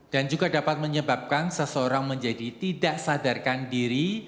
dan juga dapat menyebabkan seseorang menjadi tidak sadarkan diri